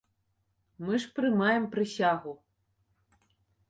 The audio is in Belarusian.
Мы ж прымаем прысягу.